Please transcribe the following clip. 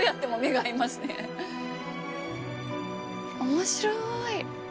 面白い。